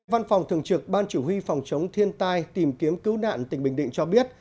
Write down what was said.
văn phòng thường trực ban chủ huy phòng chống thiên tai tìm kiếm cứu nạn tỉnh bình định cho biết